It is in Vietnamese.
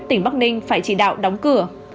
tỉnh bắc ninh phải chỉ đạo đóng cửa